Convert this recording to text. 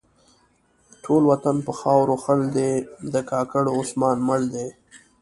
ټول وطن په خاورو خړ دی؛ د کاکړو عثمان مړ دی.